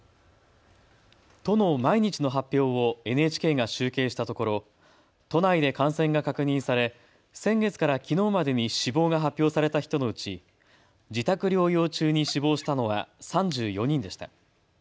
都の毎日の発表をＮＨＫが集計したところ都内で感染が確認され先月からきのうまでに死亡が発表された人のうち自宅療養中に死亡したのは３４人でした。